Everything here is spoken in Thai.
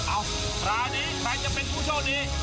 คราวนี้ใครจะเป็นผู้โชคดี